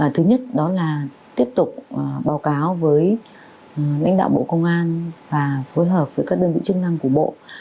thứ nhất đó là tiếp tục báo cáo với lãnh đạo bộ công an và phối hợp với các đơn vị chức năng của bộ